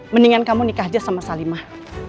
mendingan kamu nikah aja sama salimah